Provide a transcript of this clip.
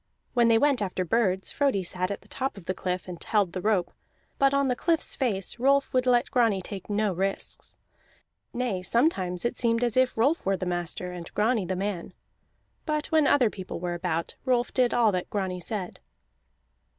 When they went after birds Frodi sat at the top of the cliff and held the rope, but on the cliff's face Rolf would let Grani take no risks. Nay, sometimes it seemed as if Rolf were the master and Grani the man. But when other people were about, Rolf did all that Grani said.